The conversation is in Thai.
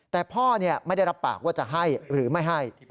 แต่พ่อไม่ได้รับปากว่าจะให้หรือไม่ให้